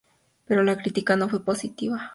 Pero la crítica no fue positiva.